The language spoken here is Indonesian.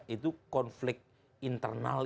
itu konflik internal